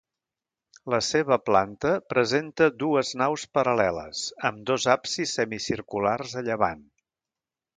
La seva planta presenta dues naus paral·leles, amb dos absis semicirculars a llevant.